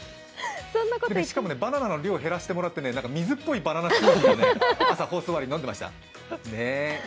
しかも、バナナの量を減らしてもらって、水っぽいバナナスムージーを朝放送終わりに飲んでました。